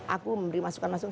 aku memberi masukan masukan